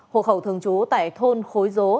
hộ khẩu thường trú tại thôn khối dố